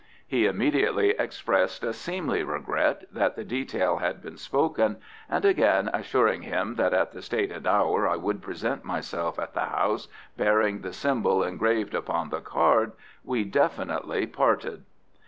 He immediately expressed a seemly regret that the detail had been spoken, and again assuring him that at the stated hour I would present myself at the house bearing the symbol engraved upon the card, we definitely parted.